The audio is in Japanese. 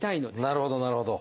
なるほどなるほど。